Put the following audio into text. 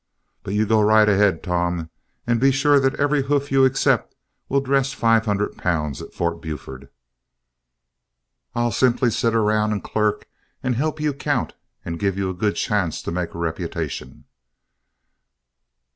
But you go right ahead, Tom, and be sure that every hoof you accept will dress five hundred pounds at Fort Buford. I'll simply sit around and clerk and help you count and give you a good chance to make a reputation."